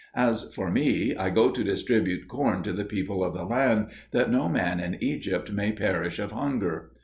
As for me, I go to distribute corn to the people of the land, that no man in Egypt may perish of hunger."